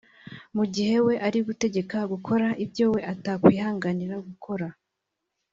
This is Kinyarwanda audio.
mu gihe arutegeka gukora ibyo we atakwihanganira gukora